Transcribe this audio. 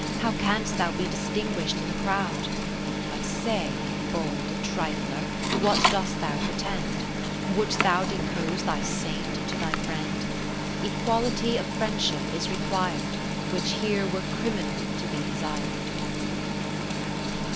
How canst thou be distinguished in the crowd ? But say, bold Trifler, what dost thou pretend ? Wouldst thou depose thy Saint into thy Friend ? Equality of friendship is requir'd. Which here were criminal to be desir'd.